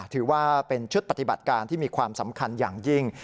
ถือว่าเป็นชุดปฏิบัติการที่มีความสำคัญอย่างยิ่ง